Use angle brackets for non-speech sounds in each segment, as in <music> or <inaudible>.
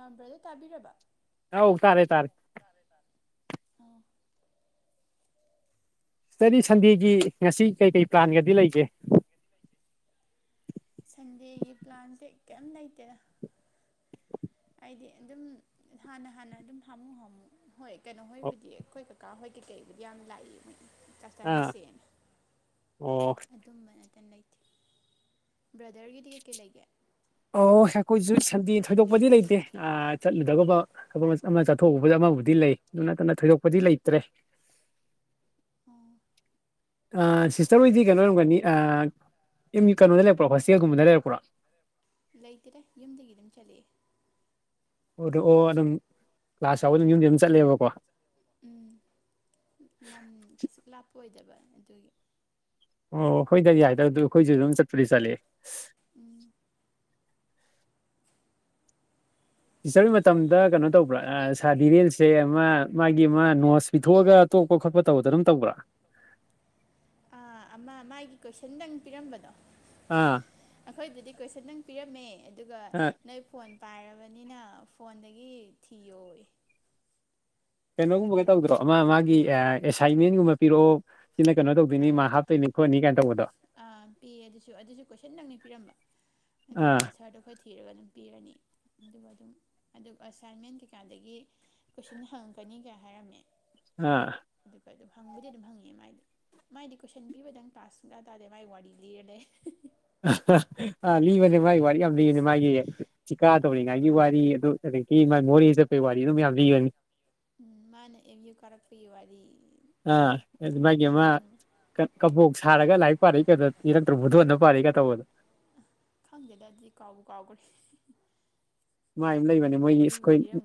ꯑ ꯕ꯭ꯔꯗꯔ ꯇꯥꯕꯤꯔꯕ ꯑꯧ ꯇꯥꯔꯦ ꯇꯥꯔꯦ ꯎꯝ <unintelligible> ꯁꯟꯗꯦꯒꯤ ꯉꯁꯤ ꯀꯩꯀꯩ ꯄ꯭ꯂꯥꯟꯒꯗꯤ ꯂꯩꯒꯦ ꯁꯟꯗꯦꯒꯤ ꯄ꯭ꯂꯥꯟꯁꯦ ꯀꯩꯝ ꯂꯩꯇꯦꯗ ꯑꯩꯗꯤ ꯑꯗꯨꯝ ꯍꯥꯟꯅ ꯍꯥꯟꯅ ꯑꯗꯨꯝ ꯍꯥꯝꯃꯨ ꯍꯥꯝꯃꯨ ꯍꯣꯏ ꯀꯩꯅꯣ ꯑꯣ ꯍꯣꯏꯕꯨꯗꯤ ꯑꯩꯈꯣꯏ ꯀꯀꯥ ꯍꯣꯏ ꯀꯩꯕꯨꯗꯤ ꯌꯥꯝ ꯂꯥꯛꯏ <unintelligible> ꯆꯥꯛ ꯑꯥ ꯆꯥꯟꯅꯁꯦꯅ ꯑꯣ ꯑꯗꯨꯝꯕꯅ <unintelligible> ꯂꯩꯇꯦ ꯕ꯭ꯔꯗꯔꯒꯤꯗꯤ ꯀꯩ ꯀꯩ ꯂꯩꯒꯦ ꯑꯣ <unintelligible> ꯁꯟꯗꯦ ꯊꯣꯏꯗꯣꯛꯄꯗꯤ ꯂꯩꯇꯦ ꯑ ꯆꯠꯂꯨꯗꯕꯕꯣ ꯊꯕꯛ ꯑꯃ ꯆꯠꯊꯣꯛꯎꯗꯕ ꯑꯃꯕꯨꯗꯤ ꯂꯩ ꯑꯗꯨ ꯅꯠꯇꯅ ꯊꯣꯏꯗꯣꯛꯄꯗꯤ ꯂꯩꯇ꯭ꯔꯦ <inaudible> ꯑ ꯁꯤꯛꯁꯇꯔ ꯑꫭꯏꯗꯤ ꯀꯩꯅꯣ ꯑꯣꯏꯔꯝꯒꯅꯤ ꯑꯥ ꯑꯦꯝ ꯌꯨ ꯀꯩꯅꯣꯗ ꯂꯩꯔꯛꯄ꯭ꯔꯣ ꯍꯣꯁꯇꯦꯜ ꯒꯨꯝꯕꯗ ꯂꯩꯔꯛꯄ꯭ꯔꯣ ꯂꯩꯇꯦꯗ ꯌꯨꯝꯗꯒꯤ ꯑꯗꯨꯝ ꯆꯠꯂꯛꯑꯦ ꯑꯣꯗꯣ ꯑꯣ ꯑꯗꯨꯝ ꯀ꯭ꯂꯥꯁ ꯌꯥꯎꯕ ꯑꯗꯨꯝ ꯌꯨꯝꯗꯩ ꯑꯗꯨꯝ ꯆꯠꯂꯦꯕꯀꯣ ꯎꯝ ꯂꯝ ꯀꯩꯁꯨ ꯂꯥꯞꯄ ꯑꯣꯏꯗꯕ ꯑꯗꯨꯒꯤ ꯑꯣ ꯍꯣꯏꯗ ꯌꯥꯏꯗ ꯑꯗꯨ ꯈꯣꯏꯖꯨ ꯑꯗꯨꯝ ꯆꯠꯄꯨꯗꯤ ꯆꯠꯂꯛꯑꯦ ꯎꯝ ꯁꯤꯛꯁꯇꯔ ꯍꯣꯏ ꯃꯇꯝꯗ ꯀꯩꯅꯣ ꯇꯧꯕ꯭ꯔ‌ ꯑ ꯁꯥꯔ ꯗꯤꯔꯦꯟꯁꯦ ꯑꯃ ꯃꯥꯒꯤ ꯑꯃ ꯅꯣꯠꯁ ꯄꯤꯊꯣꯛꯑꯒ ꯇꫭꯛꯄ ꯈꯣꯠꯄ ꯇꯧꯕꯗꯣ ꯑꯗꯨꯝ ꯇꯧꯕ꯭ꯔ <inaudible> ꯑ ꯑꯃ ꯃꯥꯒꯤ ꯀꯣꯏꯁꯟꯗꯪ ꯄꯤꯔꯝꯕꯗꯣ ꯑꯥ ꯑꯈꯣꯏꯕꯨꯗꯤ ꯀꯣꯏꯁꯟꯗꯪ ꯄꯤꯔꯝꯃꯦ ꯑꯗꯨꯒ ꯑꯥ ꯅꯣꯏ ꯐꯣꯟ ꯄꯥꯏꯔꯕꯅꯤꯅ ꯐꯣꯟꯗꯒꯤ ꯊꯤꯌꯣꯌꯦ ꯀꯩꯅꯣꯒꯨꯝꯕꯒ ꯑꯗꯨꯒ ꯇꯧꯗ꯭ꯔꯣ ꯀꯣꯏꯁꯟ ꯑꯃ ꯃꯥꯒꯤ ꯑꯦꯁꯥꯏꯟꯃꯦꯟꯒꯨꯝꯕ ꯄꯤꯔꫭꯑꯣ ꯁꯤꯅ ꯀꯩꯅꯣ ꯇꯧꯗꯣꯏꯅꯤ ꯃꯥꯛ ꯍꯥꯞꯇꯣꯏꯅꯤ ꯈꯣꯠꯅꯤ ꯒꯥꯏꯟ ꯇꯧꯕꯗꯣ ꯑ ꯄꯤꯌꯦ ꯑꯗꯨꯁꯨ ꯑꯗꯨꯁꯨ ꯀꯣꯏꯁꯟ ꯗꯪꯅꯤ ꯄꯤꯔꯝꯕ ꯑꯗꯨꯒ ꯑꯥ ꯑꯟꯁꯔꯗꯣ ꯑꯈꯣꯏ ꯊꯤ ꯊꯤꯔꯒ ꯑꯗꯨꯝ ꯄꯤꯔꯅꯤ ꯑꯗꯨꯒ ꯑꯗꯨꯝ ꯑꯗꯨ ꯑꯦꯁꯥꯏꯟꯃꯦꯟ ꯀꯩꯀꯥꯗꯒꯤ ꯀꯣꯏꯁꯟ ꯍꯪꯉꯛꯀ ꯅꯤ ꯒꯥꯏ ꯍꯥꯏꯔꯝꯃꯦ ꯑ ꯑꯗꯨ ꯍꯪꯕꯨꯗꯤ ꯑꯗꯨꯝ ꯍꯪꯉꯛꯑꯦ ꯃꯥꯏꯗꯣ ꯃꯥꯏꯗꯤ ꯀꯣꯏꯁꯟ ꯄꯤꯕꯗꯪ ꯀꯂ꯭ꯥꯁ ꯁꯨꯛꯇꯥ ꯇꯥꯗꯦ ꯃꯥꯏ ꯋꯥꯔꯤ ꯂꯤꯔ ꯂꯩ <unintelligible> <unintelligible> ꯂꯤꯕꯅꯦ ꯃꯥꯒꯤ ꯋꯥꯔꯤ ꯌꯥꯝ ꯂꯤꯕꯅꯦ ꯃꯥꯒꯤ ꯊꯤꯀꯥ ꯑꯥ ꯇꯧꯔꯤꯉꯥꯏꯒꯤ ꯋꯥꯔꯤ ꯑꯗꯨ ꯑꯗꯒꯤ ꯃꯥꯒꯤ ꯃꯣꯔꯦ ꯆꯠꯄꯩ ꯋꯥꯔꯤꯗꯨ ꯃꯌꯥꯝ ꯂꯤꯕꯅꯤ ꯎꯝ ꯃꯥꯅ ꯑꯦꯝ ꯌꯨ ꯀꯥꯔꯛꯄꯒꯤ ꯋꯥꯔꯤ ꯑꯥ ꯑꯗꯨ ꯃꯥꯒꯤ ꯑꯃ ꯑꯗꯨꯅꯤ ꯀ ꯀꯕꯣꯛ ꯁꯥꯔ ꯂꯥꯏꯔꯤꯛ ꯄꯥꯔꯛꯏ ꯀꯥꯏꯅ ꯂꯤꯔꯛꯇ꯭ꯔꯣ ꯕꯣꯙꯣꯟꯗ ꯄꯥꯔꯛꯏ ꯀ ꯇꯧꯕꯗꯣ ꯈꯪꯗꯦꯗ ꯑꯗꯨꯗꯤ ꯀꯥꯎꯕꯨ ꯀꯥꯎꯒ꯭ꯔꯦ ꯃꯥꯏ ꯑꯃ ꯂꯩꯕꯅꯦ ꯃꯣꯏꯒꯤ ꯏꯁ ꯑꯩꯈꯣꯏ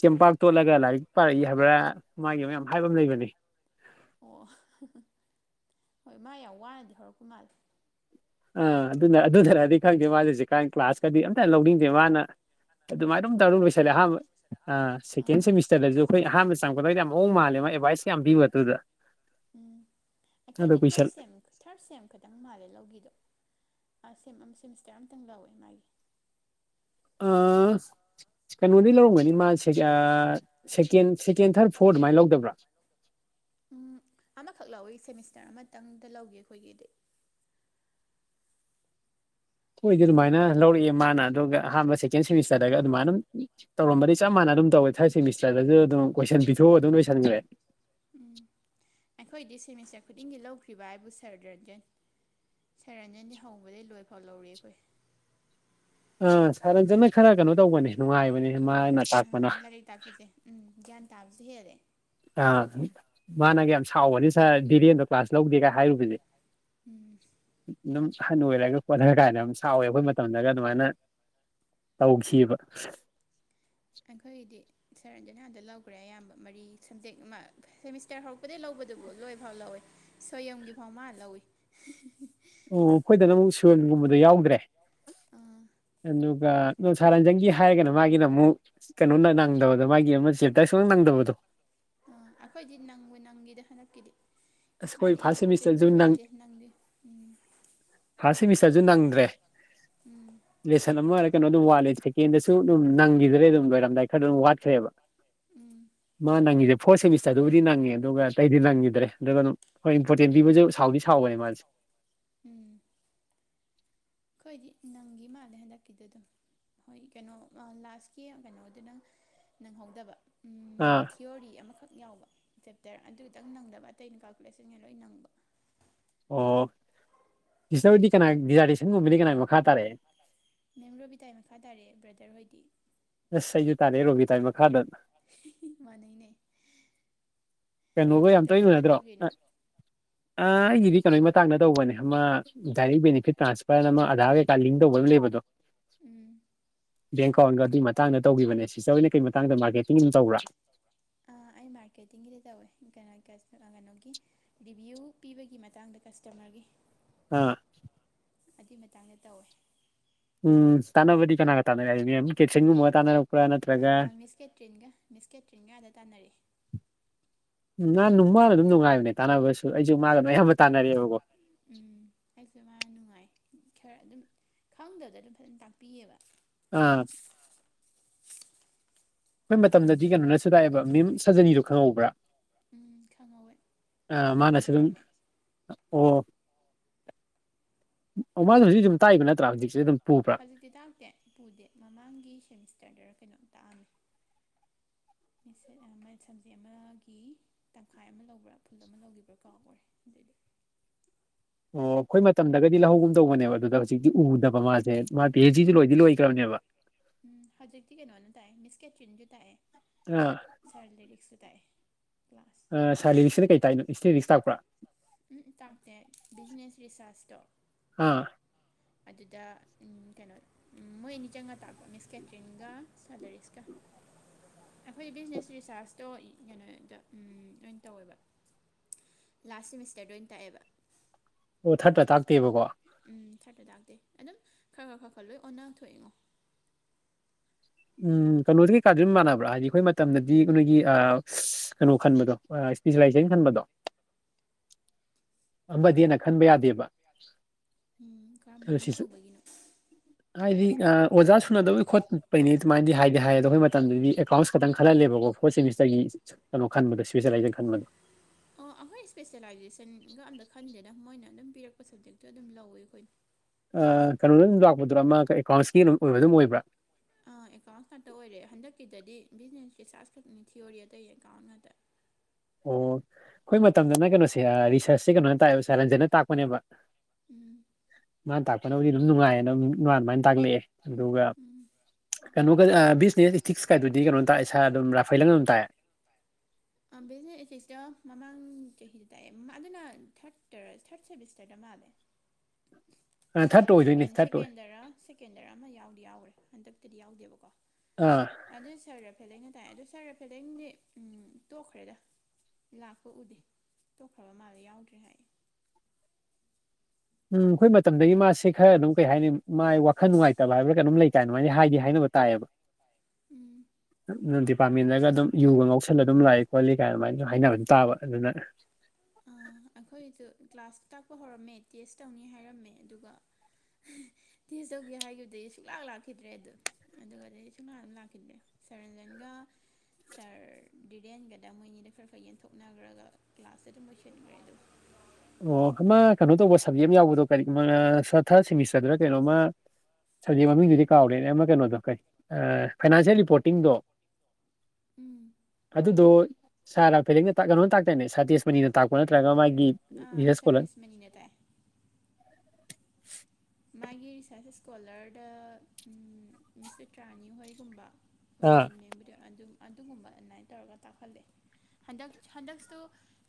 ꯆꯦꯝꯄꯥꯛ ꯇꯣꯠꯂꯒ ꯂꯥꯏꯔꯤꯛ ꯄꯥꯔꯛꯏ ꯍꯥꯏꯕ꯭ꯔꯥ ꯃꯥꯒꯤ ꯑꯃ ꯌꯥꯝ ꯍꯥꯏꯕꯃ ꯂꯩꯕꯅꯦ ꯑꯣ ꯍꯣꯏ ꯃꯥ ꯌꯥꯝ ꯋꯥꯅꯗꯤ ꯍꯧꯔꯛꯄ ꯃꯥꯜꯂꯦ ꯑ ꯑꯗꯨꯅ ꯑꯗꯨꯗꯨꯅꯗꯤ ꯈꯪꯗꯦ ꯃꯥꯖꯦ ꯍꯧꯖꯤꯛꯀꯥꯟ ꯀ꯭ꯂꯥꯁꯀꯗꯤ ꯑꯝꯇ ꯂꯧꯅꯤꯡꯗꯦ ꯃꯥꯅ ꯑꯗꯨꯃꯥꯏꯅ ꯑꯗꯨꯝ ꯇꯧꯔ ꯂꯣꯏꯁꯤꯜꯂꯦ ꯄꯥꯔꯛꯈꯤꯕꯒꯤ ꯑꯍꯥꯟꯕ ꯑ ꯁꯦꯀꯦꯟ ꯑꯥ ꯁꯦꯃꯤꯁꯇ꯭ꯔꯗꯖꯨ ꯑꯈꯣꯏ ꯑꯍꯥꯟꯕ ꯆꯪꯉꯛꯄꯗꯩꯗꯤ ꯌꯥꯝ ꯃꯑꯣꯡ ꯃꯥꯜꯂꯦ ꯃꯥ ꯑꯦꯗꯚꯥꯏꯁ ꯌꯥꯝ ꯄꯤꯕꯗꯨꯗ ꯎꯝ ꯑꯩꯈꯣꯏꯗꯤ ꯊꯥꯔꯊ ꯁꯦꯝ ꯊꯥꯔꯊ ꯁꯦꯝ ꯈꯛꯇꯪ ꯃꯥꯜꯂꯦ ꯂꯧꯒꯤꯗꯣ ꯑ ꯁꯦꯝ ꯁꯦꯝꯃꯤꯁꯇꯔ ꯑꯃꯇꯪ ꯂꯧꯋꯦ ꯃꯥꯒꯤ ꯑꯪ ꯀꯩꯅꯣꯗꯩ ꯂꯧꯔꯝꯒꯅꯤ ꯃꯥ ꯁꯦꯀ ꯑ ꯁꯦꯀꯦꯟ ꯁꯦꯀꯦꯟ ꯊꯥꯔꯊ ꯐꯣꯔ ꯑꯗꯨꯃꯥꯏꯅ ꯂꯧꯗꯕ꯭ꯔꯥ ꯎꯝ ꯑꯃꯈꯛ ꯂꯧꯋꯤ ꯁꯦꯃꯤꯁꯇꯔ ꯑꯃꯇꯪꯗ ꯂꯧꯒꯤ ꯑꯩꯈꯣꯏꯒꯤꯗꯤ ꯑꯈꯣꯏꯗꯤ ꯑꯗꯨꯃꯥꯏꯅ ꯂꯧꯔꯛꯑꯦ ꯃꯥꯅ ꯑꯗꯨꯒ ꯑꯍꯥꯟꯕ ꯁꯦꯀꯦꯟ ꯁꯦꯃꯤꯁꯇꯔꯗꯒ ꯑꯗꯨꯃꯥꯏꯅꯝ ꯇꯧꯔꯝꯕꯗꯒꯤ ꯆꯞ ꯃꯥꯟꯅ ꯑꯗꯨꯝ ꯇꯧꯋꯦ ꯊꯥꯔꯊ ꯁꯦꯃꯤꯁꯇꯔꯗꯖꯨ ꯑꯗꯨꯝ ꯀꯣꯏꯁꯟ ꯄꯤꯊꯣꯛꯑ ꯑꯗꯨꯝ ꯂꯣꯏꯁꯟꯒ꯭ꯔꯦ ꯎꯝ ꯑꯩꯈꯣꯏꯗꯤ ꯁꯦꯃꯤꯁꯇꯔ ꯈꯨꯗꯤꯡꯒꯤ ꯂꯧꯈ꯭ꯔꯤꯕ ꯍꯥꯏꯕꯨ ꯁꯥꯔ ꯔꯟꯖꯟ ꯁꯥꯔ ꯔꯟꯖꯟꯗꯤ ꯍꯧꯕꯗꯒꯤ ꯂꯣꯏ ꯐꯥꯎ ꯂꯧꯔꯛꯑꯦ ꯑꯈꯣꯏ ꯑ ꯁꯥꯔ ꯔꯟꯖꯟꯅ ꯈꯔ ꯀꯅꯣ ꯇꯧꯕꯅꯦ ꯅꯨꯡꯉꯥꯏꯕꯅꯦ ꯎꯝ ꯃꯥꯅ ꯇꯥꯛꯄꯅ ꯂꯥꯏꯔꯤꯛ ꯇꯥꯛꯄꯁꯦ ꯎꯝ ꯒ꯭ꯌꯥꯟ ꯇꯥꯕꯁꯨ ꯍꯦꯜꯂꯦ ꯑ ꯃꯥꯅꯒ ꯌꯥꯝ ꯁꯥꯎꯕꯅꯦ ꯁꯔ ꯗꯤꯔꯦꯟꯗꯣ ꯀ꯭ꯂꯥꯁ ꯂꯧꯗꯦꯒ ꯍꯥꯏꯔꯨꯕꯖꯦ ꯎꯝ ꯑꯍꯟ ꯑꯣꯏꯔꯒ <unintelligible> ꯀꯥꯏꯅ ꯌꯥꯝ ꯁꯥꯎꯋꯦ ꯑꯈꯣꯏ ꯃꯇꯝꯗꯒ ꯑꯗꯨꯃꯥꯏꯅ ꯇꯧꯈꯤꯕ ꯑꯩꯈꯣꯏꯒꯤꯗꯤ ꯁꯥꯔ ꯔꯟꯖꯟꯅ ꯑꯗ ꯂꯧꯒ꯭ꯔꯦ ꯑꯌꯥꯝꯕ ꯃꯔꯤ ꯁꯕꯖꯦꯛ ꯑꯃ ꯁꯦꯃꯤꯁꯇꯔ ꯍꯧꯔꯛꯄꯗꯒꯤ ꯂꯧꯕꯗꯨꯕꯨ ꯂꯣꯏꯐꯥꯎ ꯂꯧꯋꯦ ꯁꯣꯌꯨꯝꯒꯤ ꯐꯥꯎ ꯃꯥ ꯂꯧꯏ ꯑꯣ ꯑꯩꯈꯣꯏꯗꯅ ꯑꯃꯨꯛ ꯁꯨ <unintelligible> ꯒꯨꯝꯕꯗ ꯌꯥꯎꯗ꯭ꯔꯦ ꯑꯥ ꯑꯗꯨꯒ <unintelligible> ꯁꯥꯔ ꯔꯟꯖꯟꯒꯤ ꯍꯥꯏꯔꯒꯅ ꯃꯥꯒꯤꯅ ꯑꯃꯨꯛ ꯀꯩꯅꯣꯅ ꯅꯪꯗꯕꯗ ꯃꯥꯒꯤ ꯑꯃ ꯆꯦꯞꯇ꯭ꯔ ꯁꯨꯛꯅꯪ ꯅꯪꯗꯕ ꯕꯗꯣ ꯑꯪ ꯑꯩꯈꯣꯏꯗꯤ ꯅꯪꯕꯨ ꯅꯪꯒꯤꯗ ꯍꯟꯗꯛꯀꯤꯗꯤ ꯑꯁ ꯑꯩꯈꯣꯏ ꯃꯥꯗꯤ ꯐꯥꯔꯁ ꯏꯝꯄꯣꯔꯇꯦꯟ ꯁꯦꯃꯤꯁꯇꯔꯁꯨ ꯄꯤꯌꯨ ꯅꯪ ꯌꯥꯗꯦ ꯅꯪꯗꯤ ꯎꯝ ꯐꯥꯔꯁ ꯁꯦꯃꯤꯁꯇꯔꯁꯨ ꯅꯪꯗ꯭ꯔꯦ ꯎꯝ ꯂꯦꯁꯟ ꯑꯃꯔ ꯀꯩꯅꯣ ꯑꯗꯨꯝ ꯋꯥꯠꯂꯦ ꯁꯦꯀꯦꯟꯗꯁꯨ ꯑꯗꯨꯝ ꯅꯪꯒꯤꯗ꯭ꯔꯦ ꯑꯗꯨꯝ ꯂꯣꯏꯔꯝꯗꯥꯏ ꯈꯔ ꯑꯗꯨꯝ ꯋꯥꯠꯈ꯭ꯔꯦꯕ ꯎꯝ ꯃꯥ ꯅꯪꯉꯤꯖꯦ ꯐꯣꯔ ꯁꯦꯃꯤꯁꯇꯔꯗꯕꯨꯗꯤ ꯅꯪꯉꯦ ꯑꯗꯨꯒ ꯑꯇꯩꯗꯤ ꯅꯪꯒꯤꯗ꯭ꯔꯦ ꯑꯗꯨꯒ ꯑꯗꯨꯝ ꯍꯣꯏ ꯏꯝꯄꯣꯔꯇꯦꯟ ꯄꯤꯕꯁꯨ ꯁꯥꯎꯗꯤ ꯁꯥꯎ ꯋꯦ ꯃꯥꯖꯦ ꯑꯈꯣꯏꯗꯤ ꯅꯪꯒꯤ ꯃꯥꯜꯂꯦ ꯍꯟꯗꯛꯀꯤꯗꯣꯗꯨꯝ ꯍꯣꯏ ꯀꯩꯅꯣ ꯑ ꯂꯥꯁꯀꯤ ꯀꯩꯅꯣꯗꯨꯇꯪ ꯅꯪꯍꯧꯗꯕ ꯎꯝ ꯑꯥ ꯊꯤꯑꯣꯔꯤ ꯑꯃꯈꯛ ꯌꯥꯎꯕ ꯆꯦꯞꯇꯔ ꯑꯗꯨꯇꯪ ꯅꯪꯗꯕ ꯑꯇꯩꯅ ꯀꯥꯜꯀꯨꯂꯦꯁꯟꯉꯩ ꯂꯣꯏ ꯅꯪꯕ ꯑꯣ ꯁꯤꯁꯇꯔꯗꯤ ꯀꯅꯥ ꯗꯤꯖꯥꯔꯇꯦꯁꯟꯒꯨꯝꯕꯗꯤ ꯀꯅꯥꯒꯤ ꯃꯈꯥꯗ ꯇꯥꯔꯛꯏ ꯃꯦꯝ ꯔꯣꯕꯤꯇꯥꯒꯤ ꯃꯈꯥ ꯇꯥꯔꯦ ꯕ꯭ꯔꯗꯔ ꯍꯣꯏꯗꯤ ꯑꯁ ꯑꯩꯖꯨ ꯇꯥꯔꯛꯑꯦ ꯔꯣꯕꯤꯇꯥꯥꯢ ꯃꯈꯥꯗ ꯃꯥꯟꯅꯩꯅꯦ ꯀꯩꯅꯣꯒ ꯀꯩ ꯌꯥꯝ ꯇꯣꯏꯅ ꯇꯣꯄꯤꯛꯇ ꯎꯅꯗ꯭ꯔꯣ ꯇꯧꯒꯦꯅꯣ ꯑ ꯑ ꯑꯩꯒꯤꯗꯤ ꯀꯩꯅꯣꯒꯤ ꯃꯇꯥꯡꯗ ꯇꯧꯕꯅꯦ ꯑꯃ ꯗꯥꯏꯔꯦꯛ ꯕꯦꯅꯤꯐꯤꯠ ꯇ꯭ꯔꯥꯟꯁꯐꯔꯅ ꯑꯃ ꯑꯙꯥꯔ ꯀꯩꯀꯥ ꯂꯤꯡ ꯇꯧꯕꯩ ꯑꯃ ꯂꯩꯕꯗꯣ ꯎꯝ ꯕꯦꯡ ꯑꯦꯀꯥꯎꯟꯒ ꯑꯗꯨꯒꯤ ꯃꯇꯥꯡꯗ ꯇꯧꯒꯤꯕꯅꯦ ꯁꯤꯁꯇ꯭ꯔ ꯍꯣꯏꯅ ꯀꯩ ꯃꯇꯥꯡꯗ ꯃꯥꯔꯀꯦꯇꯤꯡ ꯑꯗꯨꯝ ꯇꯧꯕ꯭ꯔꯥ ꯑ ꯑꯩ ꯃꯥꯔꯀꯦꯇꯤꯡꯒꯤꯗꯤ ꯇꯧꯋꯦ ꯀꯩꯅꯣ ꯀꯩꯅꯣꯒꯤ ꯔꯤꯚ꯭ꯌꯨ ꯄꯤꯕꯒꯤ ꯃꯇꯥꯡꯗ ꯀꯁꯇꯃ꯭ꯔꯒꯤ ꯑꯥ ꯑꯗꯨꯏ ꯃꯇꯥꯡꯗ ꯇꯧꯋꯦ ꯎꯝ ꯇꯥꯅꯕꯗꯤ ꯀꯅꯥꯒ ꯇꯥꯟꯅꯔꯛꯏ ꯃꯦꯝ ꯀꯦꯊ꯭ꯔꯤꯟꯒꯨꯝ ꯕꯒ ꯇꯥꯟꯅꯔꯛ ꯑ ꯃꯤꯁ ꯀꯦꯇ꯭ꯔꯤꯟꯒ ꯃꯤꯁ ꯀꯦꯇ꯭ꯔꯤꯟꯒ ꯑꯗ ꯇꯥꯟꯅꯔꯛꯑꯦ ꯎꯝ ꯃꯥ ꯃꯥꯥ ꯑꯗꯨꯝ ꯅꯨꯡꯉꯥꯏꯕꯅꯦ ꯇꯥꯟꯅꯕꯁꯨ ꯑꯩꯁꯨ ꯃꯥꯒ ꯑꯌꯥꯝꯕ ꯇꯥꯟꯅꯔꯑꯦꯕꯀꯣ ꯎꯝ ꯑꯩꯁꯨ ꯃꯥꯅ ꯅꯨꯡꯉꯥꯏ ꯈꯔ ꯑꯗꯨꯝ ꯈꯪꯗꯕꯗꯣ ꯑꯗꯨꯝ ꯐꯖꯅ ꯇꯥꯛꯄꯤꯌꯦꯕ ꯑꯥ ꯑꯩꯈꯣꯏ ꯃꯇꯝꯗꯗꯤ ꯀꯩꯅꯣꯅꯁꯨ ꯇꯥꯛꯑꯦꯕ ꯃꯦꯝ ꯁꯥꯖꯅꯤꯗꯣ ꯈꯪꯍꯧꯕ꯭ꯔꯥ ꯎꯝ ꯈꯪꯍꯧꯋꯦ ꯑ ꯑꯩꯈꯣꯏ ꯀ꯭ꯂꯥꯁ ꯃꯥꯟꯅꯁꯨ ꯑꯗꯨꯝ ꯂꯧꯔꯝꯃꯦ ꯑꯣ ꯃꯥꯁꯨ ꯍꯧꯖꯤꯛ ꯑꯗꯨꯝ ꯇꯥꯛꯏꯕ ꯅꯠꯇ꯭ꯔꯥ ꯍꯧꯖꯤꯛꯁꯨ ꯑꯗꯨꯝ ꯄꯨꯕ꯭ꯔꯥ ꯍꯧꯖꯤꯛꯇꯤ ꯇꯥꯛꯇꯦ ꯄꯨꯗꯦ ꯃꯃꯥꯡꯒꯤ ꯁꯦꯃꯤꯁꯇ꯭ꯔꯗꯔ ꯀꯩꯅꯣ ꯇꯥꯛꯑꯝꯃꯤ ꯁꯝꯖꯦꯛ ꯑꯃꯒꯤ ꯇꯪꯈꯥꯏ ꯑꯃ ꯂꯧꯕ꯭ꯔꯥ ꯐꯨꯜ ꯑꯃ ꯂꯧꯒꯤꯕ꯭ꯔꯥ ꯀꯥꯎꯒꯔꯦ ꯑꯗꯨꯏꯗꯤ <inaudible> ꯑꯣ ꯑꯩꯈꯣꯏ ꯃꯇꯝꯗꯒꯗꯤ ꯂꯧꯍꯧꯒꯨꯝ ꯇꯧꯕꯅꯦꯕ ꯑꯗꯨꯗ ꯍꯧꯖꯤꯛꯇꯤ ꯎꯗꯕ ꯃꯥꯁꯦ ꯎꯝ ꯃꯥ ꯄꯤ ꯍꯩꯁ ꯗꯤ ꯂꯣꯏꯗꯤ ꯂꯣꯏ ꯒ꯭ꯔꯕꯅꯦ ꯎꯝ ꯍꯧꯖꯤꯛꯇꯤ ꯀꯩꯅꯣꯅ ꯇꯥꯛꯑꯦ ꯃꯤꯁ ꯀꯦꯇ꯭ꯔꯤꯟꯁꯨ ꯇꯥꯛꯑꯦ ꯁꯥꯔ ꯂꯦꯔꯤꯛꯁꯁꯨ ꯇꯥꯛꯑꯦ ꯀ꯭ꯂꯥꯁ ꯑ ꯁꯥꯔ ꯂꯤꯔꯤꯛꯁꯤꯅ ꯀꯩ ꯇꯥꯛꯏꯅꯣ ꯏꯁꯇꯦꯇꯦꯊꯤꯛꯁ ꯇꯥꯛꯄ꯭ꯔꯥ ꯎꯝ ꯇꯥꯛꯇꯦ ꯕꯤꯖꯤꯅꯦꯁ ꯔꯤꯁꯥ꯭ꯔꯁꯇꯣ ꯑꯥ ꯑꯗꯨꯗ ꯀꯩꯅꯣ ꯃꯣꯏ ꯑꯅꯤ ꯆꯪꯉ ꯇꯥꯛꯄ ꯃꯤꯁ ꯀꯦꯇ꯭ꯔꯤꯟꯒ ꯁꯥꯔ ꯂꯦꯔꯤꯁꯀ <inaudible> ꯑꯩꯈꯣꯏꯒꯤ ꯕꯤꯖꯤꯅꯦꯁ ꯔꯤꯆꯥꯥꯔꯁꯇꯣ ꯀꯩꯅꯣꯗ ꯎꯝ ꯂꯣꯏ ꯇꯧꯋꯦꯕ ꯂꯥꯁ ꯁꯤꯃꯤꯁꯇꯔꯗ ꯑꯣꯏꯅ ꯇꯥꯛꯑꯦꯕ ꯑꯣ ꯊꯥꯔꯠꯇ ꯇꯥꯛꯇꯦꯕꯀꯣ ꯎꯝ ꯊꯥꯔꯠꯇ ꯂꯥꯛꯇꯦ ꯑꯗꯨꯝ ꯈꯔ ꯈꯔ ꯈꯔ ꯈꯔ ꯂꯣꯏ ꯑꯣꯟꯅ ꯊꯣꯛꯑꯦꯉꯣ ꯎꯝ ꯀꯩꯅꯣꯗꯤ ꯀꯩꯀꯥꯗꯤ ꯑꯗꯨꯝ ꯃꯥꯟꯅꯕ꯭ꯔꯥ ꯍꯥꯏꯗꯤ ꯑꯩꯈꯣꯏ ꯃꯇꯝꯗꯗꯤ ꯅꯣꯏꯒꯤ ꯑ ꯀꯩꯅꯣ ꯈꯟꯕꯗꯣ ꯑ ꯑꯦꯁꯄꯤꯁꯤꯂꯥꯏꯁꯦ ꯈꯟꯕꯗꯣ <inaudible> ꯑꯃꯗꯤ ꯍꯦꯟꯅ ꯈꯟꯕ ꯌꯥꯗꯦꯕ ꯎꯝ ꯑꯗꯣ ꯀꯔꯝꯃꯥꯏꯅ ꯁꯤꯁꯨ ꯇꯧꯕꯒꯤꯅꯣ ꯍꯥꯏꯗꯤ ꯑꯥ ꯑꯣꯖꯥ ꯁꯨꯅꯗꯕꯩ ꯈꯣꯠꯄꯩꯅꯤ ꯑꯗꯨꯃꯥꯏꯅꯗꯤ ꯍꯥꯏꯗꯤ ꯍꯥꯏ ꯑꯗꯨ ꯑꯩꯈꯣꯏ ꯃꯇꯝꯗꯗꯤ ꯑꯦꯀꯥꯎꯟ ꯈꯛꯇꯪ ꯈꯜꯍꯜꯂꯦꯕꯀꯣ ꯐꯣꯔꯠ ꯁꯦꯃꯦꯁ ꯀꯩꯅꯣ ꯈꯟꯕꯗꯣ ꯏꯁꯄꯤꯁꯦꯂꯥꯏꯖꯗ ꯈꯟꯕꯗꯣ ꯑꯣ ꯑ ꯍꯣꯏ ꯏꯁꯄꯦꯁꯦꯂꯥꯏꯖꯦꯁꯟꯒ ꯑꯝꯇ ꯈꯟꯗꯦꯗ ꯃꯣꯏꯅ ꯑꯗꯨꯝ ꯄꯤꯔꯛꯄ ꯁꯕꯖꯦꯛꯇꯣ ꯑꯗꯨꯝ ꯂꯧꯋꯦ ꯑꯩꯈꯣꯏ ꯑ ꯀꯩꯅꯣꯗ ꯑꯗꯨꯝ ꯂꯥꯛꯄꯗꯨꯔ ꯃꯥ ꯑꯦꯀꯥꯎꯟꯁꯀꯤ ꯑꯣꯏꯕ ꯗꯨꯝ ꯑꯣꯏꯕ꯭ꯔꯥ ꯑ ꯑꯦꯀꯥꯎꯟꯁ ꯉꯥꯛꯇ ꯑꯣꯏꯔꯦ ꯍꯟꯗꯛꯀꯤꯗꯗꯤ ꯕꯤꯖꯤꯅꯦꯁꯀꯤ ꯔꯤꯁꯥꯁ ꯈꯛꯅꯤ ꯊꯤꯑꯣꯔꯤ ꯑꯇꯩ ꯑꯦꯀꯥꯎꯟ ꯉꯥꯛꯇ ꯑꯣ ꯑꯩꯈꯣꯏ ꯃꯇꯝꯗꯅ ꯀꯩꯅꯣꯁꯦ ꯔꯤꯁꯔꯁꯁꯦ ꯀꯩꯅꯣꯅ ꯇꯥꯛꯑꯦꯕ ꯁꯥꯔ ꯔꯟꯖꯦꯅ ꯇꯥꯛꯄꯅꯦꯕ ꯎꯝ ꯀꯅꯣꯗꯤ ꯗꯨꯝ ꯅꯨꯡꯉꯥꯏꯌꯦꯅ ꯗꯨꯝ ꯃꯥ ꯗꯨꯃꯥꯏ ꯇꯥꯛꯂꯛꯑꯦ ꯑꯗꯨꯒ ꯎꯝ ꯀꯅꯣ <unintelligible> ꯑ ꯕꯤꯖꯤꯅꯦꯁ ꯏꯊꯤꯛꯁ ꯀꯥꯏꯗꯨꯗꯤ ꯀꯅꯣ ꯇꯥꯛꯑꯦ ꯁꯥꯔ ꯑꯗꯨꯝ ꯔꯥꯐꯥꯏꯂꯪꯅ ꯗꯨꯝ ꯇꯥꯛꯑꯦ ꯑ ꯕꯤꯖꯤꯅꯦꯁ ꯏꯊꯤꯛꯁꯗ ꯃꯃꯥꯡ ꯆꯍꯤꯗ ꯇꯥꯛꯑꯦ ꯃꯥ ꯑꯗꯨꯅ ꯊ꯭ꯔꯠ ꯇꯔ ꯊ꯭ꯔꯠ ꯁꯦꯃꯤꯁꯇ꯭ꯔꯗ ꯃꯥꯜꯂꯦ <inaudible> ꯊꯥꯔꯠ ꯑꯣꯏꯗꯣꯏꯅꯤ ꯁꯦꯀꯦꯟ ꯊꯥꯔꯠ ꯑꯣꯏ ꯁꯦꯀꯦꯟꯗꯔ ꯁꯦꯀꯦꯟꯗꯔ ꯑꯃ ꯌꯥꯎꯗꯤ ꯌꯥꯎꯒ꯭ꯔꯦ ꯍꯟꯗꯛꯇꯗꯤ ꯌꯥꯎꯗꯦꯕꯀꯣ ꯑꯥ ꯑꯗꯨ ꯁ꯭ꯔ ꯔꯐꯦꯂꯩꯅ ꯇꯥꯛꯑꯦ ꯑꯗꯣ ꯁ꯭ꯔ ꯔꯐꯦꯂꯦꯡꯗꯤ ꯎꯝ ꯇꯣꯛꯈ꯭ꯔꯦꯗ ꯂꯥꯛꯄ ꯎꯗꯦ ꯇꯣꯛꯈ꯭ꯔꯕ ꯃꯥꯜꯂꯦ ꯌꯥꯎꯗ꯭ꯔꯦ ꯍꯥꯏꯌꯦ ꯎꯝ ꯈꯣꯏ ꯃꯇꯝꯗꯩꯩ ꯃꯥꯁꯦ ꯈ꯭ꯔ ꯑꯗꯨꯝ ꯀꯩ ꯍꯥꯏꯅꯤ ꯃꯥꯏ ꯋꯥꯈꯟ ꯅꯨꯡꯉꯥꯏꯇꯕ ꯍꯥꯏꯕ꯭ꯔ ꯀꯩꯅꯣꯝ ꯂꯩꯇꯥꯏꯟ ꯑꯗꯨꯃꯥꯏ ꯍꯥꯏꯗꯤ ꯍꯥꯏꯅ ꯎꯝ <unintelligible> ꯄꯥꯝꯃꯤꯟꯅꯒ ꯗꯨꯝ ꯌꯨꯒ ꯉꯧꯁꯜꯂ ꯗꯨꯝ ꯂꯥꯛꯏ ꯈꯣꯠꯂꯤ ꯀꯥꯏ ꯗꯨꯃꯥꯏꯟꯁꯨ ꯍꯥꯏꯅꯕ ꯗꯨꯝ ꯇꯥꯕ ꯑꯗꯨꯅ ꯑꯩꯈꯣꯏꯁꯨ <unintelligible> ꯍꯧꯔꯝꯃꯦ ꯇꯦꯁ ꯇꯧꯅꯤ ꯍꯥꯏꯔꯝꯃꯦ ꯑꯗꯨꯒ ꯇꯦꯁ ꯇꯧꯒꯦ ꯍꯥꯏꯒꯤꯞꯗꯩ ꯁꯨꯛꯂꯥꯛ ꯂꯥꯛꯈꯤꯗ꯭ꯔꯦ ꯑꯗꯨ ꯑꯗꯨꯒꯗꯤ ꯁꯨꯛꯂꯥꯛ ꯂꯥꯛꯈꯤꯗ꯭ꯔꯦ ꯁ꯭ꯔ ꯔꯦꯂꯦꯟꯒ ꯁꯥꯔ ꯗꯤꯔꯦꯟꯒꯗ ꯃꯣꯏꯅꯤꯗ ꯈ꯭ꯔ ꯈ꯭ꯔ ꯌꯦꯟꯊꯣꯛꯅꯒ꯭ꯔꯒ ꯀ꯭ꯂꯥꯁꯁꯦ ꯗꯨꯝ ꯂꯣꯏꯁꯤꯟꯒ꯭ꯔꯦ ꯑꯗꯨ ꯑꯣ ꯀꯃꯥ ꯀꯅꯣ ꯇꯧꯕ ꯁꯕꯖꯦꯛ ꯑꯝ ꯌꯥꯎꯕꯗꯣ ꯀꯔꯤ ꯃꯥ ꯊ ꯊ꯭ꯔꯠ ꯁꯦꯃꯤꯁꯇ꯭ꯔꯗꯔ ꯀꯩꯅꯣꯝꯃ ꯁꯕꯖꯦꯛ ꯃꯃꯤꯡꯗꯨꯗꯤ ꯀꯥꯎꯔꯦꯅꯦ ꯑꯃ ꯀꯅꯣꯗꯣ ꯀꯩ ꯑꯥ ꯐꯥꯏꯅꯥꯟꯁꯌꯦꯜ ꯔꯤꯄꯣꯔꯇꯤꯡꯗꯣ ꯎꯝ ꯑꯗꯨꯗꯣ ꯁ꯭ꯔ ꯔꯥꯐꯦꯂꯤꯡꯅ ꯇꯥꯛ ꯀꯅꯣꯅ ꯇꯥꯛꯇꯥꯏꯅꯦ ꯁ꯭ꯔ ꯇꯦꯖꯃꯅꯤꯅ ꯇꯥꯛꯄ ꯅꯠꯇ꯭ꯔꯒ ꯃꯥꯒꯤ ꯑꯥ ꯔꯤꯁꯔꯁ ꯁ꯭ꯔ ꯀꯣꯂꯔ ꯀꯦꯁꯃꯅꯤꯅ ꯇꯥꯛꯑꯦ ꯃꯥꯒꯤ ꯔꯤꯁ꯭ꯔꯁ ꯁ꯭ꯀꯣꯂ꯭ꯔꯗ ꯎꯝ ꯃꯤꯁ ꯑ꯭ꯇꯔꯥꯅꯤ ꯍꯣꯏꯒꯨꯝꯕ ꯍꯣ ꯑꯥ ꯍꯣꯏ ꯃꯦꯝꯕꯨꯗꯤ ꯑꯗꯨꯝ ꯑꯗꯨꯒꯨꯝꯕ ꯑꯗꯨꯃꯥꯏ ꯇꯧꯔꯒ ꯇꯥꯛꯍꯜꯂꯦ ꯍꯟꯗꯛ ꯍꯟꯗꯛꯁꯨ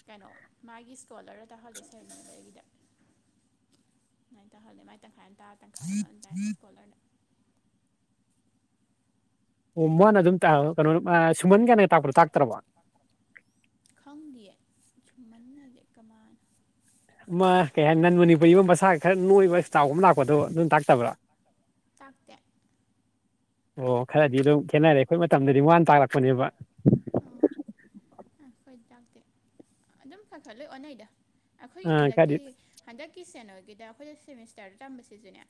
ꯀꯅꯣ ꯃꯥꯒꯤ ꯁ꯭ꯀꯣꯂ꯭ꯔ ꯇꯥꯍꯜꯂꯁꯦ <unintelligible> ꯑꯗꯨꯃꯥꯏ ꯇꯧꯍꯜꯂꯦ ꯃꯥꯏ ꯇꯪꯈꯥꯏ ꯑꯃ ꯇꯥ ꯇꯪꯈꯥꯏ ꯑꯃ ꯗꯥꯏꯟ ꯁ꯭ꯀꯣꯂ꯭ꯔꯗ ꯑꯣ ꯃꯥꯅ ꯑꯗꯨꯝ ꯇꯥꯕ ꯀꯩꯅꯣꯅ ꯃ ꯁꯨꯃꯟ ꯀꯥꯏꯅ ꯇꯥꯛꯄꯗꯣ ꯇꯥꯛꯇ꯭ꯔꯕꯣ ꯈꯪꯗꯤꯌꯦ ꯁꯨꯝꯃꯟ ꯍꯥꯏꯖꯦ ꯀꯃꯥꯅ ꯑꯃ ꯀꯩ ꯍꯥꯏ ꯅꯟ ꯃꯅꯤꯄꯨꯔꯤ ꯃ ꯃꯁꯥꯒ ꯈ꯭ꯔ ꯅꯣꯏꯕ ꯆꯥꯎꯕ ꯑꯃ ꯂꯥꯛ ꯄꯣꯗꯣ ꯑꯗꯨꯝ ꯇꯥꯛꯇꯕ꯭ꯔ ꯇꯥꯛꯇꯦ ꯑꯣ ꯈ꯭ꯔꯗꯤ ꯗꯨꯝ ꯈꯦꯠꯅꯔꯦ ꯈꯣꯏ ꯃꯇꯝꯗꯗꯤ ꯋꯥꯅ ꯇꯥꯛꯂꯛꯄꯅꯦꯕ ꯑ ꯈꯣꯏ ꯇꯥꯛꯇꯦ ꯑꯗꯨꯝ ꯈ ꯈ ꯂꯣꯏ ꯑꯣꯅꯩꯗ ꯑꯈꯣꯏꯒꯤ ꯑꯥ ꯍꯟꯗꯛꯀꯤ ꯈꯔꯗꯤ ꯍꯟꯗꯛꯀꯤ ꯁꯦꯅꯣꯒꯤꯗ ꯑꯩꯈꯣꯏꯗ ꯁꯦꯃꯤꯁꯇ꯭ꯔꯗ ꯇꯝꯕꯁꯤꯁꯨꯅꯦ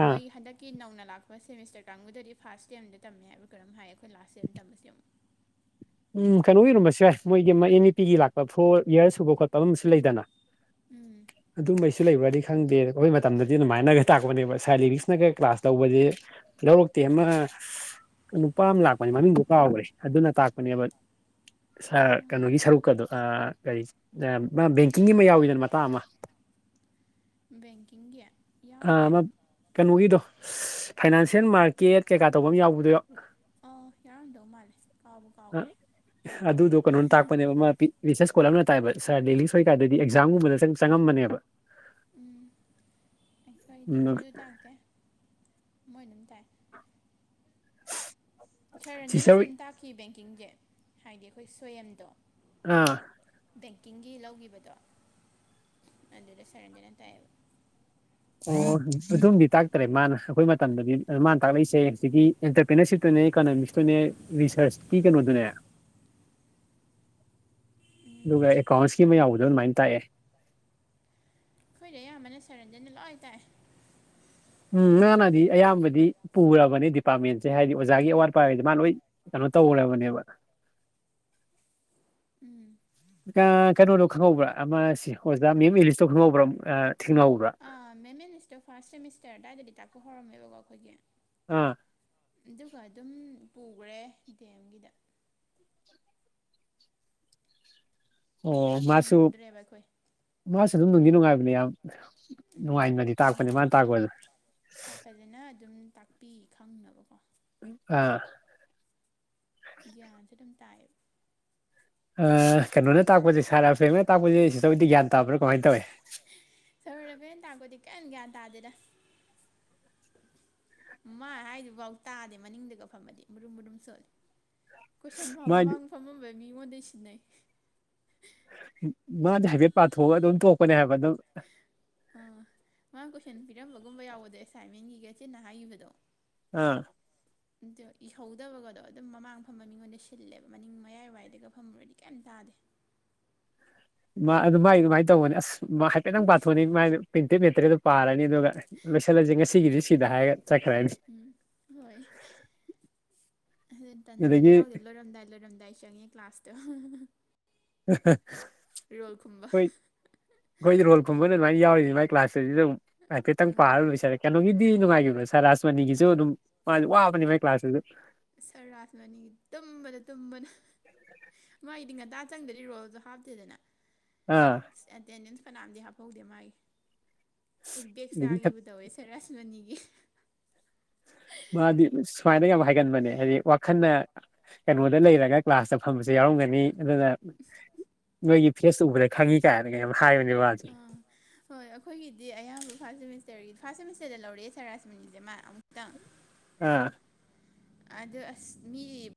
ꯑꯥ ꯃꯣꯏꯒꯤ ꯍꯟꯗꯛꯀꯤ ꯅꯧꯅ ꯂꯥꯛꯄ ꯁꯦꯃꯤꯁꯇ꯭ꯔ ꯀꯥꯡꯒꯨꯗꯗꯤ ꯐꯥꯁ ꯁ꯭ꯇꯦꯝꯗ ꯇꯝꯃꯦ ꯍꯥꯏꯕ꯭ꯔ ꯀꯩꯅꯣꯝ ꯍꯥꯏꯌꯦ ꯈꯣ ꯈꯣꯏ ꯂꯥꯁꯁꯦꯝ ꯇꯝꯃꯁꯦ ꯑꯃꯨꯛ ꯎꯝ ꯀꯅꯣꯒꯤ ꯑꯣꯏꯔꯝꯕꯁꯨ ꯌꯥꯏ ꯃꯣꯏꯒꯤ ꯃꯩ ꯑꯦꯟ_ꯏ_ꯄꯤ ꯒꯤ ꯂꯥꯛꯄ ꯐꯣꯔ ꯌ꯭ꯔ ꯁꯨꯕ ꯈꯣꯠꯄ ꯑꯃꯁꯨ ꯂꯩꯗꯅ ꯎꯝ ꯑꯗꯨꯝꯕꯩꯁꯨ ꯂꯩꯕ꯭ꯔꯗꯤ ꯈꯪꯗꯦ ꯈꯣꯏ ꯃꯇꯝꯗꯗꯤ ꯑꯗꯨꯃꯥꯏꯅꯒ ꯇꯥꯛꯄꯅꯦꯕ ꯁ꯭ꯔ ꯂꯤꯔꯤꯛꯁꯅꯒ ꯀ꯭ꯂꯥꯁ ꯂꯧꯕꯖꯦ ꯂꯧꯔꯛꯇꯦ ꯑꯃ ꯅꯨꯄꯥ ꯑꯃ ꯂꯥꯛꯄꯅꯤ ꯃꯃꯤꯡꯗꯨ ꯀꯥꯎꯒ꯭ꯔꯦ ꯑꯗꯨꯅ ꯇꯥꯛ <unintelligible> ꯁ꯭ꯔ ꯎꯝ ꯀꯅꯣꯒꯤ ꯁꯔꯨꯛꯀꯗꯣ ꯑꯥ ꯀꯔꯤ ꯑꯥ ꯃ ꯕꯦꯡꯀꯤꯡꯒꯤ ꯑꯃ ꯌꯥꯎꯋꯤꯗꯅ ꯃꯇꯥꯡ ꯑꯃ ꯕꯦꯡꯀꯤꯡꯒꯤ ꯑꯥ ꯌꯥꯎꯗꯦ ꯃ ꯀꯅꯣꯒꯤꯗꯣ ꯐꯥꯏꯅꯥꯟꯁꯦꯟ ꯃꯥꯔꯀꯦꯠ ꯀꯩꯀꯥ ꯇꯧꯕ ꯑꯝ ꯌꯥꯎꯕꯗꯣ ꯌꯥꯎ ꯑꯥ ꯌꯥꯎꯔꯝꯗꯧ ꯃꯥꯜꯂꯦ ꯀꯥꯎꯕꯨ ꯀꯥꯎꯒ꯭ꯔꯦ ꯑꯗꯨꯗꯣ ꯀꯅꯣꯅ ꯇꯥꯛꯄꯅꯦꯕ ꯑꯃ ꯄꯤ ꯔꯤꯁ꯭ꯔꯁ ꯁ꯭ꯀꯣꯂꯔ ꯑꯃꯅ ꯇꯥꯛꯑꯦꯕ ꯁ꯭ꯔ ꯂꯤꯂꯤꯁ ꯍꯣꯏꯀꯥꯟꯗꯗꯤ ꯑꯦꯛꯖꯥꯝꯒꯨꯝꯕꯗ ꯇꯪ ꯆꯪꯉꯝꯕꯅꯦꯕ ꯎꯝ ꯑꯩꯈꯣꯏꯗꯤ ꯑꯗꯨ ꯇꯥꯛꯇꯦ ꯃꯣꯏꯅ ꯗꯨꯝ ꯇꯥꯛꯑꯦ ꯁ꯭ꯔ ꯔꯟꯖꯟꯅꯁꯨ ꯁꯤꯁꯇꯔ ꯗꯨꯝ ꯇꯥꯛꯈꯤ ꯕꯦꯡꯀꯤꯡꯖꯦ ꯍꯥꯏꯗꯤ ꯑꯈꯣꯏ ꯁꯣꯌꯝꯗꯣ ꯑ ꯕꯦꯡꯀꯤꯡꯒꯤ ꯂꯧꯒꯤꯕꯗꯣ ꯑꯗꯨꯗ ꯁꯥꯔ ꯔꯟꯖꯟꯅ ꯇꯥꯛꯑꯦꯕ ꯑꯣ ꯑꯗꯨꯝꯗꯤ ꯇꯥꯛꯇ꯭ꯔꯦ ꯃꯥꯅ ꯑꯈꯣꯏ ꯃꯇꯝꯗꯗꯤ ꯃꯥꯅ ꯇꯥꯛꯂꯛꯏꯁꯦ ꯍꯨꯖꯤꯛꯀꯤ ꯑꯦꯟꯇꯔꯄ꯭ꯔꯦꯅꯔꯁꯤꯞꯇꯨꯅꯦ <unintelligible> ꯇꯨꯅꯦ ꯔꯤꯁꯔꯁꯀꯤ ꯀꯩꯅꯣꯗꯨꯅꯦ <inaudible> ꯎꯝ ꯑꯗꯨꯒ ꯑꯦꯀꯥꯎꯟꯁꯀꯤ ꯑꯃ ꯌꯥꯎꯕꯗꯣ ꯑꯗꯨꯃꯥꯏꯅ ꯇꯥꯛꯑꯦ ꯑꯩꯈꯣꯏꯗꯤ ꯑꯌꯥꯝꯕꯅ ꯁꯥꯔ ꯔꯟꯖꯟꯅ ꯂꯣꯏ ꯇꯥꯛꯑꯦ ꯎꯝ ꯃꯥꯅꯗꯤ ꯑꯌꯥꯝꯕꯗꯤ ꯄꯨꯔꯕꯅꯦ ꯗꯤꯄꯥꯔꯠꯃꯦꯟꯁꯦ ꯍꯥꯏꯗꯤ ꯑꯣꯖꯥꯒꯤ ꯑꯋꯥꯠ ꯑꯄꯥꯒꯤꯗꯤ ꯃꯥꯅ ꯂꫭꯏ <unintelligible> ꯇꯧꯔꯕꯅꯦꯕ ꯎꯝ <unintelligible> ꯀꯩꯅꯣꯗꯣ ꯈꯪꯍꯧꯕ꯭ꯔ ꯑꯃ ꯁꯤ ꯑꯣꯖꯥ ꯃꯦꯝ ꯏꯔꯤꯁꯇꫭ ꯈꯪꯍꯧꯕ꯭ꯔ ꯑ ꯑꯥ ꯃꯦꯝ ꯏꯔꯤꯁꯇꯣ ꯐꯥꯔꯁ ꯁꯦꯃꯤꯁꯇꯔ ꯑꯗꯥꯏꯗꯗꯤ ꯇꯥꯛꯄ ꯍꯧꯔꯝꯃꯦꯕꯀꯣ ꯑꯈꯣꯏꯒꯤ ꯑꯥ ꯑꯗꯨꯒ ꯑꯗꯨꯝ ꯄꯨꯒ꯭ꯔꯦ ꯗꯤ ꯑꯦꯝꯒꯤꯗ ꯑꯣ ꯇꯥꯛꯄ ꯃꯥꯁꯨ ꯅꯪꯍꯧꯗ꯭ꯔꯦꯕ ꯑꯩꯈꯣꯏ ꯃꯥꯁꯨ ꯑꯗꯨꯝ ꯅꯨꯡꯗꯤ ꯅꯨꯡꯉꯥꯏꯕꯅꯦ ꯏꯌꯥꯝ ꯎꯝ ꯅꯨꯡꯉꯥꯏꯅꯗꯤ ꯇꯥꯛꯄꯅꯦ ꯅꯨꯡꯉꯥꯏꯌꯦ ꯃꯥꯅ ꯇꯥꯛꯄꯖꯦ ꯄꯤ ꯈꯪꯅꯕꯀꯣ ꯑꯥ ꯒ꯭ꯌꯥꯟꯁꯨ ꯑꯗꯨꯝ ꯇꯥꯏꯑꯦꯕ ꯑ ꯀꯩꯅꯣꯅ ꯇꯥꯛꯄꯁꯦ ꯁꯥꯔ ꯔꯥꯐꯦꯝꯅ ꯇꯥꯛꯄꯁꯦ ꯁꯤꯛꯁꯇꯔ ꯍꯣꯏꯗꯤ ꯌꯥꯟ ꯇꯥꯕ꯭ꯔ ꯀꯃꯥꯏ ꯇꯧꯋꯤ ꯁꯥꯔ ꯔꯕꯤꯅ ꯇꯥꯛꯄꯗꯤ <inaudible> ꯃꯥ ꯍꯥꯏꯗꯨꯐꯥꯎ ꯇꯥꯗꯦ ꯃꯅꯤꯡꯗꯒ ꯐꯝꯃꯗꯤ ꯃꯨꯔꯨꯝ ꯃꯨꯔꯨꯝ ꯁꯣꯜꯂꯤ ꯀꯣꯏꯁꯟꯐꯥꯎ ꯃꯥꯏ ꯃꯃꯥꯡ ꯐꯝꯃꯝꯕ ꯃꯤꯉꯣꯟꯗꯩ ꯁꯤꯟꯅꯩ ꯃꯥꯗꯤ ꯍꯥꯏꯐꯦꯠ ꯄꯥꯊꯣꯛꯑꯒ ꯑꯗꯨꯝ ꯇꯣꯛꯄꯅꯦ ꯍꯥꯏꯕ ꯑꯗꯨꯝ ꯑ ꯃꯥ ꯀꯣꯏꯁꯟ ꯄꯤꯔꯝꯕꯒꯨꯝꯕ ꯌꯥꯎꯕꯗꯣ ꯑꯦꯁꯥꯏꯟꯃꯦꯟꯒꯤꯒ ꯆꯤꯟꯅ ꯍꯥꯏꯒꯤꯕꯗꯣ ꯑꯥ ꯑꯗꯣ ꯏꯍꯧꯗꯕꯒꯗꯣ ꯑꯗꯨꯝ ꯃꯃꯥꯡ ꯐꯝꯕ ꯃꯤꯉꯣꯟꯗꯩ ꯁꯤꯜꯂꯦꯕ ꯃꯅꯤꯡ ꯃꯌꯥꯏ ꯋꯥꯏꯗꯒ ꯐꯝꯃꯨꯔꯗꯤ ꯀꯔꯤꯝ ꯇꯥ <inaudible> <unintelligible> ꯃꯥꯏꯗꯤ ꯑꯗꯨꯃꯥꯏꯅ ꯇꯧꯕꯅꯦ ꯑꯁ ꯍꯥꯏꯐꯦꯠꯇꯪ ꯄꯥꯊꯣꯛꯑꯅꯤ ꯃꯥꯥꯏ ꯄ꯭ꯔꯤꯟꯇꯦꯠ ꯃꯦꯇꯔꯤꯌꯦꯜꯗꫭ ꯄꯥꯔꯅꯤ ꯑꯗꯨꯒ ꯂꯣꯏꯁꯜꯂꯖꯦ ꯉꯁꯤꯒꯤꯗꯤ ꯁꯤꯗ ꯍꯥꯏꯔꯒ ꯆꯠꯈ꯭ꯔꯅꯤ ꯎꯝ ꯍꯣꯏ ꯑꯗꯨ ꯇꯟꯗꯅ ꯑꯗꯒꯤ ꯌꯥꯎꯗꯦ ꯂꯣꯏꯔꯝꯗꯥꯏ ꯂꯣꯏꯔꯝꯗꯥꯏ ꯆꯪꯉꯦ ꯀ꯭ꯂꯥꯁꯇꯣ <unintelligible> ꯔꯣꯜ ꯈꯨꯝꯕ <unintelligible> ꯍꫭꯏ ꯑꯈꯣꯏ ꯔꯣꯜ ꯈꯨꯝꯕ ꯑꫭꯏꯅ ꯑꯗꯨꯃꯥꯏꯅ ꯌꯥꯎꯔꯤꯅꯤ ꯃꯥꯏ ꯀ꯭ꯂꯥꯁ <unintelligible> ꯍꯥꯏꯐꯠꯇꯪ ꯑꯥ ꯄꯥꯔ ꯂꯣꯏꯁꯜꯂꯦ ꯀꯩꯅꯣꯒꯤ <unintelligible> ꯅꯨꯡꯉꯥꯏꯒꯤꯕ꯭ꯔꯣ ꯁꯥꯔ ꯔꯥꯁꯃꯅꯤꯒꯤꯁꯨ ꯑꯗꯨꯝ <unintelligible> ꯋꯥꯕꯅꯤ ꯃꯥꯏ ꯀ꯭ꯂꯥꯁꯇꯨꯖꯨ ꯁꯥꯔ ꯔꯥꯁꯃꯅꯤꯒꯤ ꯇꯨꯝꯕꯗ ꯇꯨꯝꯕꯗ ꯃꯥꯏꯗꯤ ꯉꯟꯇꯥ ꯆꯪꯗ꯭ꯔꯗꯤ ꯔꯣꯜꯖꯨ ꯍꯥꯞꯇꯦꯗꯅ ꯑꯥ <unintelligible> ꯇꯦꯟꯗꯦꯟꯁ ꯐꯅꯥꯝꯗꯤ ꯍꯥꯞꯄꯧꯗꯦ ꯃꯥꯒꯤ ꯑꯩ ꯕꯦꯛ ꯑꯗꯒꯤ ꯆꯥꯒꯦꯕꯨ ꯇꯧꯋꯦ ꯁꯥꯔ ꯔꯥꯁꯃꯅꯤꯒꯤ ꯃꯥꯗꯤ ꯁꯨꯃꯥꯏꯅ ꯌꯥꯝ ꯍꯥꯏꯒꯟꯕꯅꯦ ꯍꯥꯏꯗꯤ ꯋꯥꯈꯟꯅ ꯀꯩꯅꯣꯗ ꯂꯩꯔꯒ ꯀ꯭ꯂꯥꯁꯇ ꯐꯝꯕꯁꯦ ꯌꯥꯎꯔꯝꯒꯅꯤ ꯑꯗꯨꯅ ꯅꯣꯏꯒꯤ ꯐꯦꯁ ꯎꯕꯗ ꯈꯪꯉꯤ ꯀꯥꯏꯅꯒ ꯍꯥꯏꯕꯅꯦ ꯃꯥꯁꯦ ꯑ ꯍꯣꯏ ꯑꯈꯣꯏꯒꯤꯗꯤ ꯑꯌꯥꯝꯕ ꯐꯥꯔꯁ ꯁꯦꯝ ꯐꯥꯔꯁ ꯁꯦꯝꯃꯤꯁꯇꯔꯗ ꯂꯧꯔꯑꯦ ꯁꯥꯔ ꯔꯥꯁꯃꯅꯤꯁꯦ ꯃꯥ ꯑ ꯑꯥ ꯑꯗꯨ ꯑꯁ ꯃꯤ